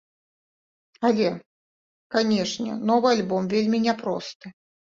Але, канешне, новы альбом вельмі няпросты.